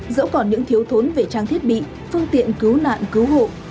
dẫu còn những thiếu thốn về trang thiết bị phương tiện cứu nạn cứu hộ